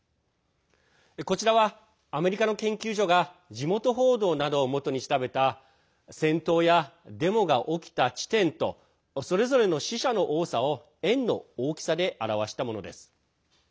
こちらは、アメリカの研究所が地元報道などをもとに調べた戦闘やデモが起きた地点とそれぞれの死者の多さを円の大きさで表したものです。